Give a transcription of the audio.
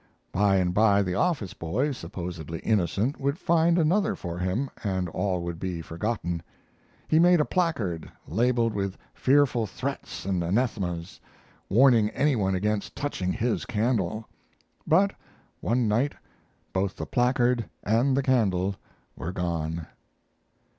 By and by the office boy, supposedly innocent, would find another for him, and all would be forgotten. He made a placard, labeled with fearful threats and anathemas, warning any one against touching his candle; but one night both the placard and the candle were gone.